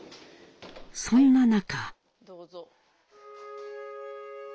そんな中。